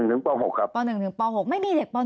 มีเรื่องบัดหมางกันส่วนตัวยังยืนยันเป็นในลักษณะแบบนั้นนะคะ